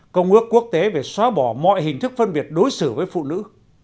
công ước quốc tế về xóa bỏ mọi hình thức phân biệt đối xử với phụ nữ